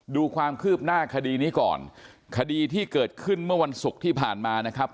ดูความคืบหน้าคดีนี้ก่อนคดีที่เกิดขึ้นเมื่อวันศุกร์ที่ผ่านมานะครับ